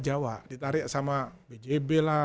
jawa ditarik sama bjb lah